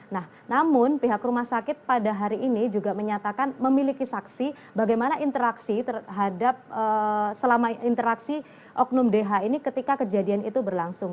nah namun pihak rumah sakit pada hari ini juga menyatakan memiliki saksi bagaimana interaksi terhadap selama interaksi oknum dh ini ketika kejadian itu berlangsung